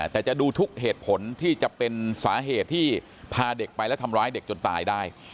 แต่จะดูทุกเหตุผลที่จะเป็นสาเหตุที่พาเด็กไปแล้วทำร้ายเด็กจนตายได้